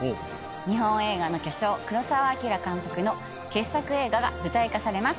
日本映画の巨匠黒澤明監督の傑作映画が舞台化されます。